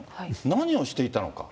何をしていたのか。